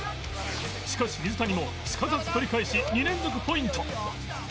しかし水谷もすかさず取り返し２連続ポイント